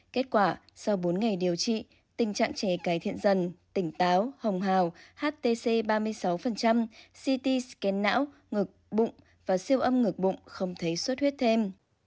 kết quả sau bốn ngày điều trị tình trạng trẻ cải thiện dần tỉnh táo hồng hào htc ba mươi sáu ct sken não ngực bụng và siêu âm ngược bụng không thấy suất huyết thêm